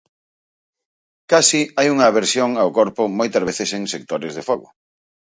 Case hai unha aversión ao corpo moitas veces en 'Sectores de fogo'.